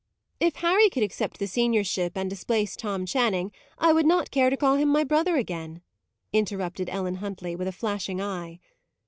"If Harry could accept the seniorship and displace Tom Channing, I would not care to call him my brother again," interrupted Ellen Huntley, with a flashing eye.